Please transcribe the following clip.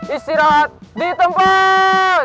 istirahat di tempat